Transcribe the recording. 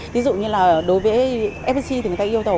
tí dụ như là đối với fsc thì người ta yêu tổ